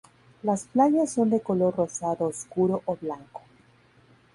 Las playas son de color rosado oscuro o blanco.